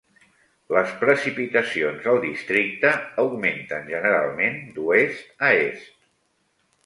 Les precipitacions al districte augmenten generalment d'oest a est.